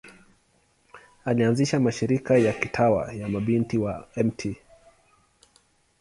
Alianzisha mashirika ya kitawa ya Mabinti wa Mt.